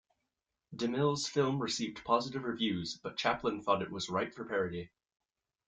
DeMille's film received positive reviews but Chaplin thought it was ripe for parody.